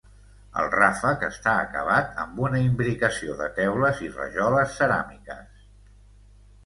El ràfec està acabat amb una imbricació de teules i rajoles ceràmiques.